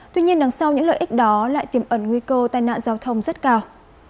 tuy nhiên đằng sau những lợi ích đó lại tiềm ẩn nguy cơ tai nạn giao thông rất cao